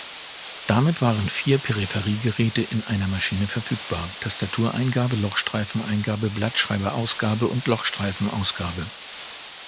Damit waren vier „Peripheriegeräte“ in einer Maschine verfügbar: Tastatur-Eingabe, Lochstreifen-Eingabe, Blattschreiber-Ausgabe und Lochstreifen-Ausgabe.